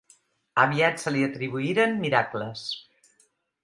Aviat se li atribuïren miracles.